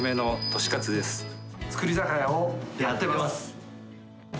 造り酒屋をやっています。